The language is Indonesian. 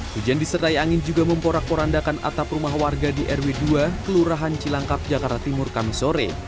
hujan disertai angin juga memporak porandakan atap rumah warga di rw dua kelurahan cilangkap jakarta timur kamisore